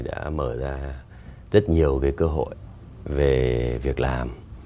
đã mở ra rất nhiều cơ hội về việc làm